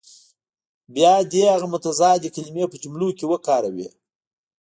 بیا دې هغه متضادې کلمې په جملو کې وکاروي.